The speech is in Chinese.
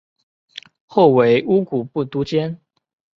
后为乌古部都监。